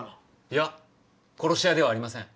いや殺し屋ではありません。